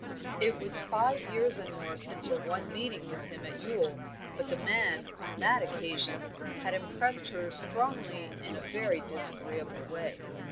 It was five years and more since her one meeting with him at Ewell, but the man, on that occasion, had impressed her strongly in a very disagreeable way.